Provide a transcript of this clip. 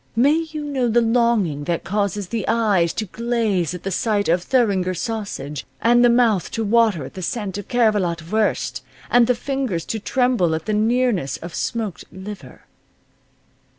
May you know the longing that causes the eyes to glaze at the sight of Thuringer sausage, and the mouth to water at the scent of Cervelat wurst, and the fingers to tremble at the nearness of smoked liver.